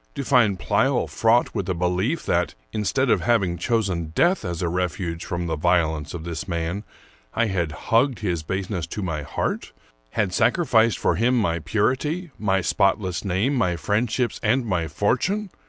— to find Pleyel fraught with a belief that, instead of having chosen death as a refuge from the violence of this man, I had hugged his baseness to my heart, had sac rificed for him my purity, my spotless name, my friendships, 273 American Mystery Stories and my fortune!